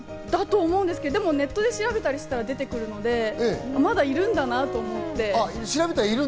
でもネットで調べたりしたら出てくるので、まだいるんだなと思って。